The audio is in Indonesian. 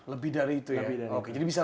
lebih dari itu ya